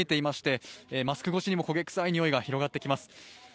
マスク越しにも焦げ臭いにおいが広がってきます。